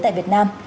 tại việt nam